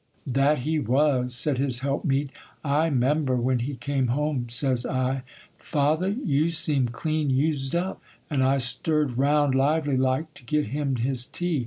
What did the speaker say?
'That he was!' said his helpmeet. 'I 'member, when he came home, says I, "Father, you seem clean used up;" and I stirred 'round lively like, to get him his tea.